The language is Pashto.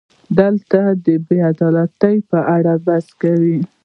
دلته د بې عدالتۍ په اړه بحث کوو.